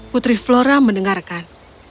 putri flora mendengarkan